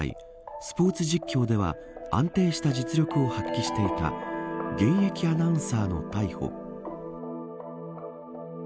スポーツ実況では安定した実力を発揮していた現役アナウンサーの逮捕。